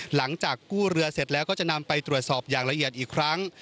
หลังจากกู้เรือเสร็จแล้วก็จะนำไปตรวจสอบอย่างละเอียดอีกครั้ง